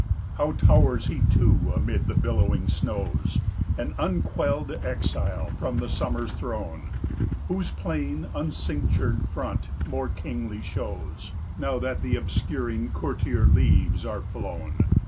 How towers he, too, amid the billowed snows, An unquelled exile from the summer's throne, 10 Whose plain, uncinctured front more kingly shows, Now that the obscuring courtier leaves are flown.